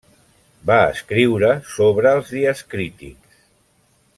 Va escriure sobre els dies crítics.